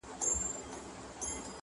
موسیقي، قمار، شراب هر څه یې بند کړل،